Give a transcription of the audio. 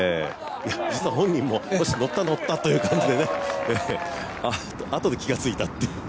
実は本人も乗った、乗ったという感じであとで気が付いたっていう。